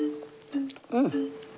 うん！